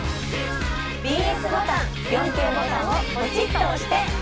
ＢＳボタン４Ｋボタンをポチッと押して。